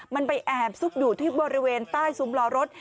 มันไปแอบซุกอยู่ที่บริเวณใต้ซุ้มล้อรถ